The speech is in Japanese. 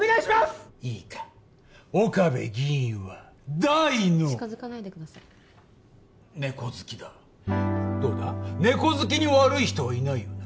いいか岡部議員は大の近づかないでください猫好きだどうだ猫好きに悪い人はいないよな